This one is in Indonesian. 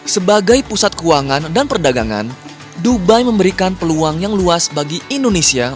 sebagai pusat keuangan dan perdagangan dubai memberikan peluang yang luas bagi indonesia